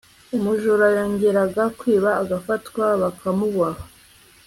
umujura yongeraga kwiba agafatwa, bakamuboha